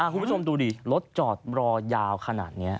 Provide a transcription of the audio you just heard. คุณผู้ชมดูดิรถจอดรอยาวขนาดนี้